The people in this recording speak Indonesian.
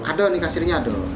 ada nikah sirinya ada